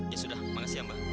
ya sudah makasih ya mbak